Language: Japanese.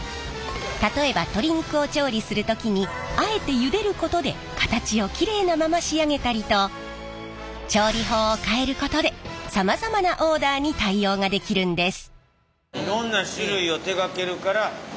例えば鶏肉を調理する時にあえてゆでることで形をキレイなまま仕上げたりと調理法を変えることでさまざまなオーダーに対応ができるんです。